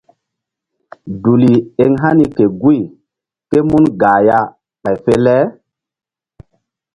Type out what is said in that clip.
Duli eŋ hani ke guy ké mun gah ya ɓay fe le.